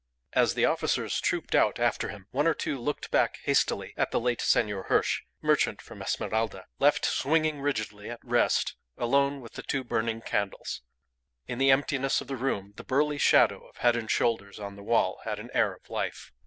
As the officers trooped out after him, one or two looked back hastily at the late Senor Hirsch, merchant from Esmeralda, left swinging rigidly at rest, alone with the two burning candles. In the emptiness of the room the burly shadow of head and shoulders on the wall had an air of life.